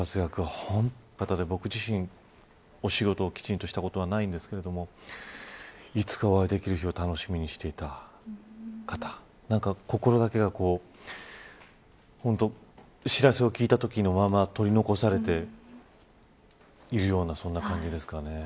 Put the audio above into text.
本当に楽しみな方で僕自身、お仕事を一緒にしたことはないんですけれどもいつかお会いできる日を楽しみにしていた方何か、心だけが知らせを聞いたときのまま取り残されているようなそんな感じですかね。